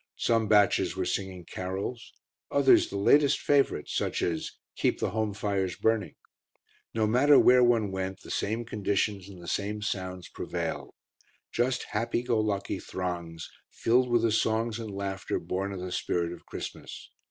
Some batches were singing carols, others the latest favourites, such as "Keep the Home Fires Burning." No matter where one went, the same conditions and the same sounds prevailed; just happy go lucky throngs, filled with the songs and laughter born of the spirit of Christmas.